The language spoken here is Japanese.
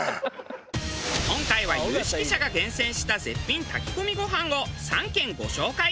今回は有識者が厳選した絶品炊き込みご飯を３軒ご紹介。